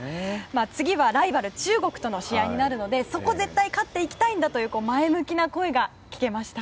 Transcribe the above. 次はライバル中国との試合になるのでそこ、絶対勝っていきたいんだという前向きな声が聞けました。